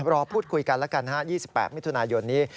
รอพูดคุยกันแล้วกัน๒๘มิถุนายนนี้